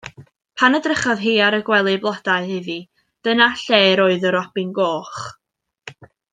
Pan edrychodd hi ar y gwely blodau iddi dyna lle roedd y robin goch.